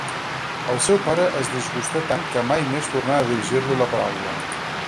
El seu pare es disgustà tant que mai més tornà a dirigir-li la paraula.